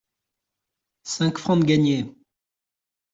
Cinq francs de gagnés !